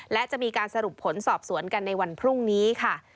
และจะมีการสรุปผลสอบสวนกันในวันพรุ่งนี้ค่ะ